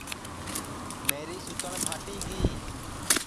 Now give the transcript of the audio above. میری سُوتٹؔ پھاٹی گی